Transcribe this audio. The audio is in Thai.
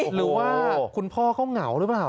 หรือว่าคุณพ่อเขาเหงาหรือเปล่า